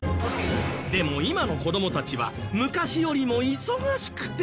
でも今の子供たちは昔よりも忙しくて大変！？